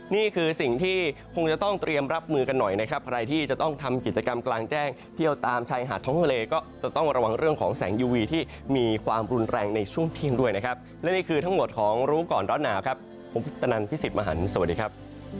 นี่คือสิ่งที่คงจะต้องเตรียมรับมือกันหน่อยนะครับใครที่จะต้องทำกิจกรรมกลางแจ้งเที่ยวตามชายหาดท้องทะเลก็จะต้องระวังเรื่องของแสงยูวีที่มีความรุนแรงในช่วงเที่ยงด้วยนะครับและนี่คือทั้งหมดของรู้ก่อนร้อนหนาวครับผมพุทธนันพี่สิทธิ์มหันฯสวัสดีครับ